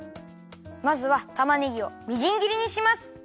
まずはたまねぎをみじんぎりにします。